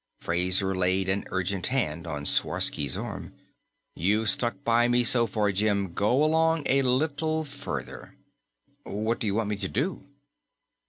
Fraser laid an urgent hand on Sworsky's arm. "You've stuck by me so far, Jim. Go along a little further." "What do you want me to do?"